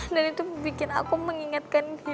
dan itu bikin aku mengingatkan dia lagi boy